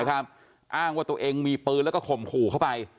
อ้างว่าตัวเองมีปืนแล้วก็ข่มขู่เข้าไป